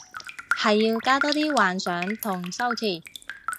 係要加多啲幻想同修辭